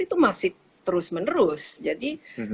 itu masih terus menerus jadi